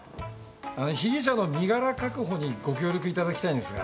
あの被疑者の身柄確保にご協力いただきたいんですが。